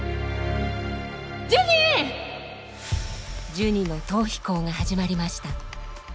ジュニの逃避行が始まりました。